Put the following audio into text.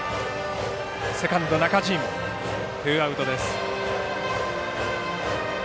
セカンド中陳、ツーアウトです。